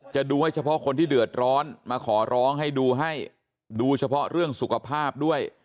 ดูให้เฉพาะคนที่เดือดร้อนมาขอร้องให้ดูให้ดูเฉพาะเรื่องสุขภาพด้วย